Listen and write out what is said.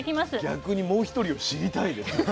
逆にもう１人を知りたいです。